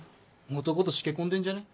男としけ込んでんじゃね？